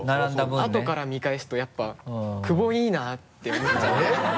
あとから見返すとやっぱ久保いいなって思っちゃうえっ？